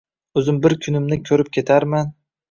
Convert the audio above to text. O`zim bir kunimni ko`rib ketarman